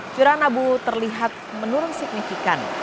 curahan abu terlihat menurun signifikan